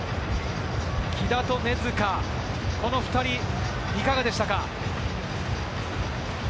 木田と根塚、この２人、いかがでしたか？